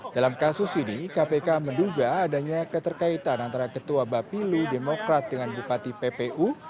dalam kasus ini kpk menduga adanya keterkaitan antara ketua bapilu demokrat dengan bupati ppu